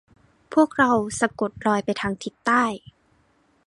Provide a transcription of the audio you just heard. พวกเราสะกดรอยไปทางทิศใต้